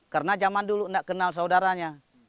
karena zaman dulu enggak kenal saudaranya